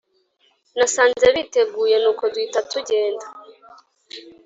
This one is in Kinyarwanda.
nasanze biteguye nuko duhita tugenda